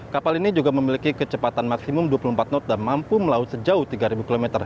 kapal ini juga memiliki kecepatan maksimum dua puluh empat knot dan mampu melaut sejauh tiga km